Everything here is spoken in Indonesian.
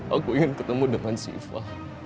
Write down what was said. aku ingin ketemu dengan sifah